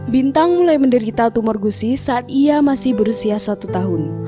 bintang mulai menderita tumor gusi saat ia masih berusia satu tahun